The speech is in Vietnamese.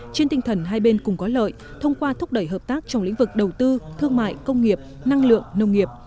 trên tinh thần hai bên cùng có lợi thông qua thúc đẩy hợp tác trong lĩnh vực đầu tư thương mại công nghiệp năng lượng nông nghiệp